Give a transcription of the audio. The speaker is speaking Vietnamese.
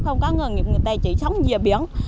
không có người tài trị sống dưới biển